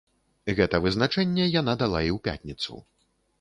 Гэта вызначэнне яна дала і ў пятніцу.